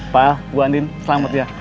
pak buan din selamat ya